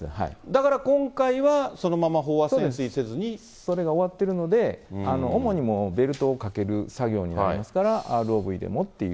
だから今回はそのまま飽和潜水せそれが終わってるので、主にもう、ベルトをかける作業になりますから、ＲＯＶでもと。